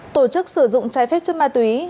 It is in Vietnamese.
tổ chức sử dụng trái phép cho ma túy